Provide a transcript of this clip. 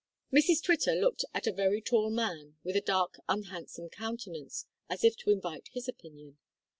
Mrs Twitter looked at a very tall man with a dark unhandsome countenance, as if to invite his opinion.